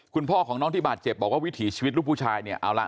คุณพ่อของน้องที่บาดเจ็บบอกว่าวิถีชีวิตลูกผู้ชายเนี่ยเอาล่ะ